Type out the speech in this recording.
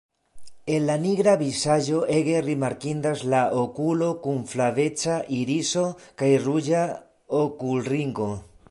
En la nigra vizaĝo ege rimarkindas la okulo kun flaveca iriso kaj ruĝa okulringo.